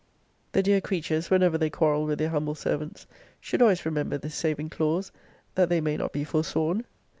The dear creatures, whenever they quarrel with their humble servants, should always remember this saving clause, that they may not be forsworn.